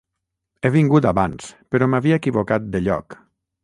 He vingut abans, però m'havia equivocat de lloc.